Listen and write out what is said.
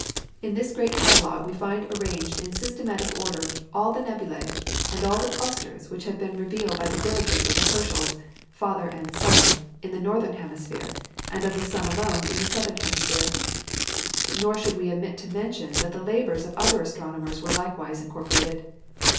In this great catalogue we find arranged in systematic order all the nebulae and all the clusters which had been revealed by the diligence of the Herschels, father and son, in the Northern Hemisphere, and of the son alone in the Southern Hemisphere. Nor should we omit to mention that the labours of other astronomers were likewise incorporated.